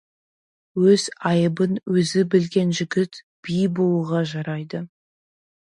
Өз айыбын өзі білген жігіт би болуға жарайды.